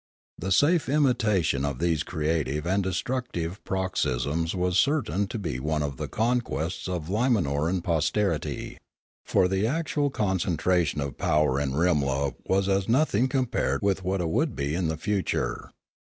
The safe imitation of these creative and destructive paroxysms was certain to be one of the conquests of Limanoran posterity. For the actual concentration of power in Rimla was as no thing compared with what it would be in the future.